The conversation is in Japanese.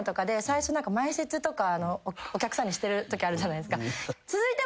お客さんにしてるときあるじゃないですか。